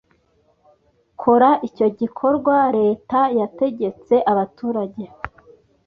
Kora icyo gikorwa reta yategetse abaturage